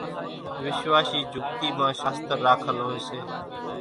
وِشواشِي جھُڳتِي مان شاستر راکل هوئيَ سي۔